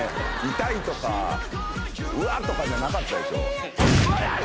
痛いとか、うわっとかじゃなかったでしょ。